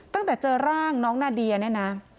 ตั้งแต่เจอร่างน้องนาเดียเนี่ยนะ